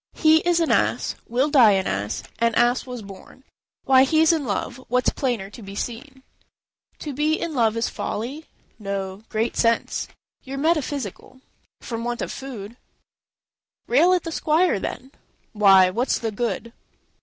R. He is an ass, will die an ass, an ass was born; Why, he's in love; what's plainer to be seen?" B. "To be in love is folly?"—R. "No great sense." B. "You're metaphysical."—R. "From want of food." B. "Rail at the squire, then."—R. "Why, what's the good?